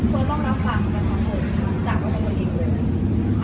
โดยต้องรับฟังประชาชนจากประชาชนเองเลย